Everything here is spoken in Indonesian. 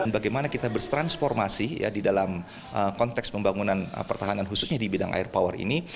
bagaimana kita bertransformasi di dalam konteks pembangunan pertahanan khususnya di bidang air power ini